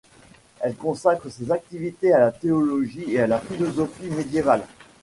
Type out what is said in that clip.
Elle consacre ses activités à la théologie et à la philosophie médiévales.